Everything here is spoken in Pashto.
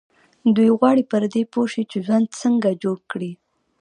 دوی غواړي پر دې پوه شي چې ژوند څنګه جوړ کړي.